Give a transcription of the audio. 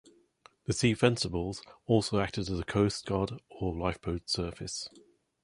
The Sea Fencibles also acted as a coastguard or lifeboat service.